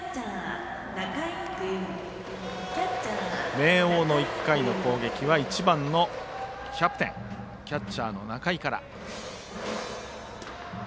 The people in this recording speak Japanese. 明桜の１回の攻撃は１番のキャプテンキャッチャーの中井から。